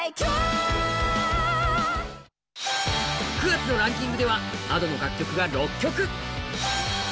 ９月のランキングではＡｄｏの楽曲がランクイン。